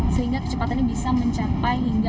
sehingga kecepatannya bisa memperbaikinya